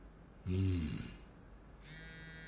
うん。